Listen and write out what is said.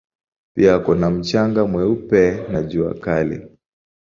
Pia kuna mchanga mweupe na jua kali.